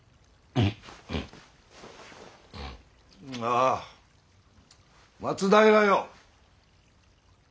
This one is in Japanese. あ松平よ。